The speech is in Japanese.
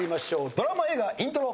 ドラマ・映画イントロ。